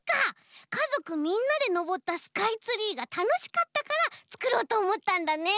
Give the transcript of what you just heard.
かぞくみんなでのぼったスカイツリーがたのしかったからつくろうとおもったんだね。